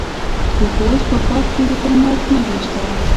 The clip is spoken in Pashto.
د خوست په باک کې د کرومایټ نښې شته.